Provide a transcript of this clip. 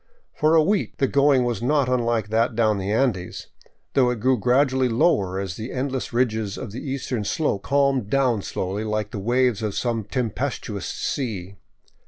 For a week the going was not unlike that down the Andes, though it grew gradually lower as the endless ridges of the eastern slope calmed down slowly, like the waves of some tempestuous sea.